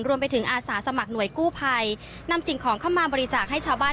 รวมไปถึงอาสาสมัครหน่วยกู้ภัยนำสิ่งของเข้ามาบริจาคให้ชาวบ้าน